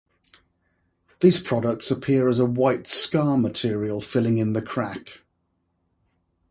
These products appear as a white 'scar' material filling in the crack.